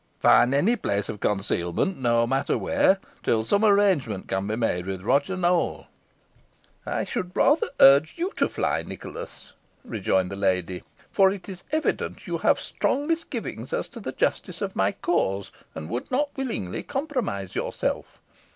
Find any place of concealment, no matter where, till some arrangement can be made with Roger Nowell." "I should rather urge you to fly, Nicholas," rejoined the lady; "for it is evident you have strong misgivings as to the justice of my cause, and would not willingly compromise yourself.